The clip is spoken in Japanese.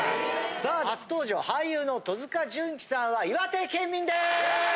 さあ初登場俳優の戸塚純貴さんは岩手県民です！